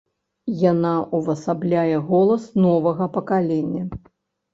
Яна увасабляе голас новага пакалення.